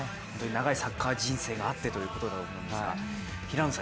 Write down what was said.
長いサッカー人生があってということだと思いますが。